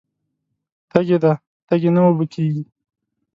تږې ده تږې نه اوبه کیږي